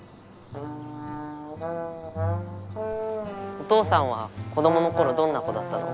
お父さんは子どものころどんな子だったの？